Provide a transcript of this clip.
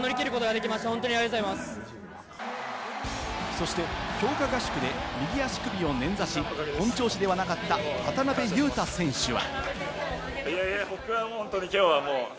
そして強化合宿で右足首を捻挫し、本調子ではなかった、渡邊雄太選手は。